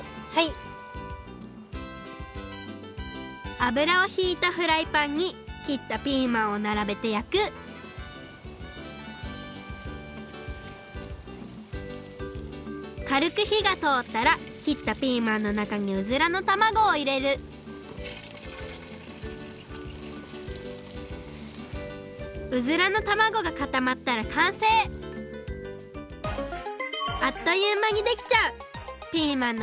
あぶらをひいたフライパンに切ったピーマンをならべてやくかるくひがとおったら切ったピーマンのなかにウズラのたまごをいれるウズラのたまごがかたまったらかんせいあっというまにできちゃう！